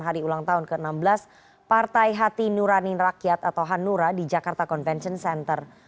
hari ulang tahun ke enam belas partai hati nurani rakyat atau hanura di jakarta convention center